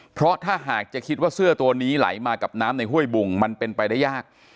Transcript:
เพราะถ้าหากจะคิดว่าเสื้อตัวนี้ไหลมากับน้ำในห้วยบุงมันเป็นไปได้ยาก